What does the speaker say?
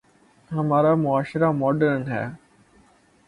ہمارا معاشرہ ماڈرن ہے۔